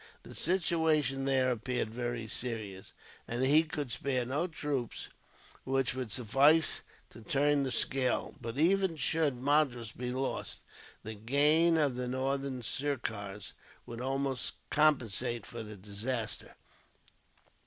The situation there appeared very serious, and he could spare no troops which would suffice to turn the scale. But even should Madras be lost, the gain of the Northern Sirkars would almost compensate for the disaster.